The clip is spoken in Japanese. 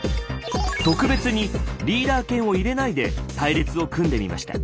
特別にリーダー犬を入れないで隊列を組んでみました。